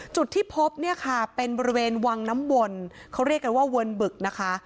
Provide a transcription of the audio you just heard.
จุดที่พบเนี่ยค่ะเป็นบริเวณวังน้ำวนเขาเรียกกันว่าเวิร์นบึกนะคะ